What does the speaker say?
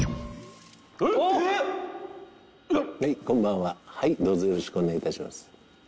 はいどうぞよろしくお願いいたします